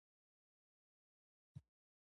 ډوډۍ او د اوداسه اوبه به مو پر وخت راځي!